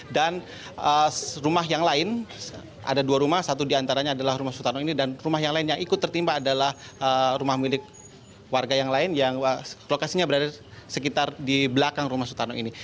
dan rumah yang lain ada dua rumah satu di antaranya adalah rumah sutarno ini dan rumah yang lain yang ikut tertimpa adalah rumah milik warga yang lain yang lokasinya berada sekitar di belakang rumah sutarno ini